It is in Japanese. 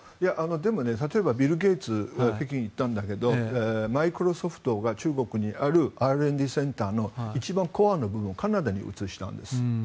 でも、例えばビル・ゲイツが北京に行ったんだけどマイクロソフトが中国にあるセンターの一番コアな部分の工場をカナダに移したんです。